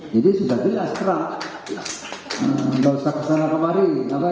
jadi sudah jelas sekarang gak usah kesana kemari